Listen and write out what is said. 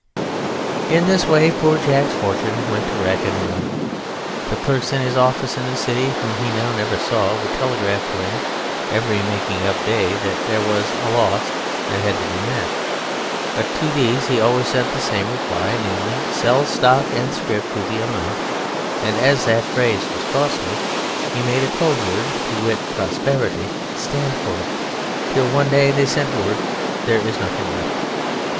In this way poor Jack's fortune went to rack and ruin. The clerks in his office in the City (whom he now never saw) would telegraph to him every making up day that there was loss that had to be met, but to these he always sent the same reply, namely, "Sell stock and scrip to the amount"; and as that phrase was costly, he made a code word, to wit, "Prosperity," stand for it. Till one day they sent word "There is nothing left."